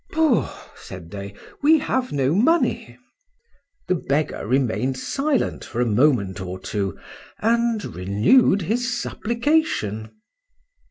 Poo! said they,—we have no money. The beggar remained silent for a moment or two, and renew'd his supplication.